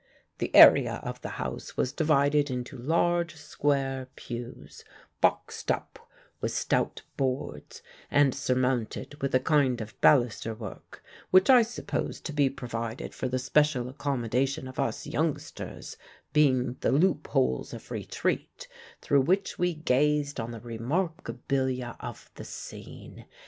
The area of the house was divided into large square pews, boxed up with stout boards, and surmounted with a kind of baluster work, which I supposed to be provided for the special accommodation of us youngsters, being the "loopholes of retreat" through which we gazed on the "remarkabilia" of the scene.